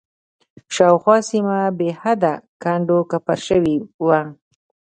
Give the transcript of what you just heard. شاوخوا سیمه بېحده کنډ و کپر شوې وه.